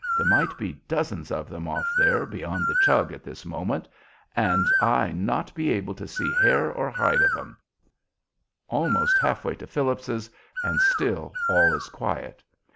There might be dozens of them off there beyond the Chug at this moment, and I not be able to see hair or hide of 'em." Almost half way to Phillips's, and still all is quiet.